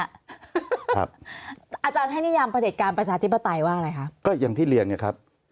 อาจารย์ให้นิยมประเด็จการประชาธิปไตยว่าอะไรคะ